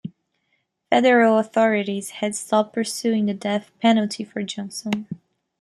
Federal authorities had stopped pursuing the death penalty for Johnson.